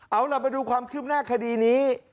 เอาล่ะมาดูความคืบหน้าคดีนี้